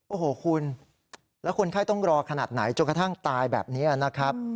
โอ้โหคุณแล้วคนไข้ต้องรอขนาดไหนจนกระทั่งตายแบบนี้นะครับ